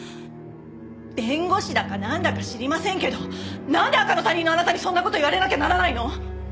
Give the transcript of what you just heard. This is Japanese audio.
弁護士だかなんだか知りませんけどなんで赤の他人のあなたにそんな事言われなきゃならないの？